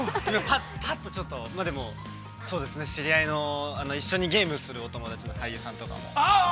ぱっとちょっと、知り合いの、一緒にゲームするお友達の俳優さんとかも。